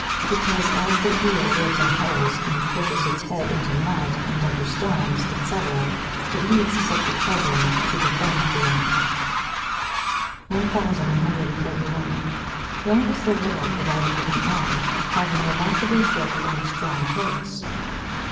_ Because, as the eel lives in holes, and pushes its head into mud, and under stones, &c., it needed such a covering to defend the eye. 1131. _Why is the whale provided with an eye, having remarkably thick and strong coats?